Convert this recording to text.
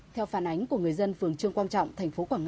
theo phan anh